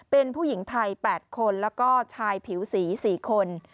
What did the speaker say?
เป็นผู้หญิงไทย๘คนแล้วก็ชายผิวสี๔คน